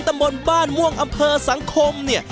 ตำบลบ้านม่วงอำเภอสังคมเนี่ย